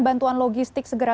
bantuan logistik segera